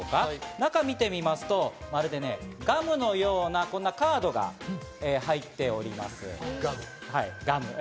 中を見てみますと、まるでガムのようなこんなカードが入っております。